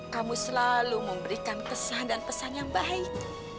kamu selalu memberikan kesan dan pesan yang baik